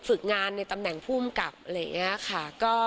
ฝึกงานในตำแหน่งภูมิกับอะไรอย่างนี้ค่ะ